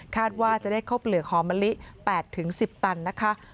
ว่าจะได้ข้าวเปลือกหอมะลิ๘๑๐ตันนะคะ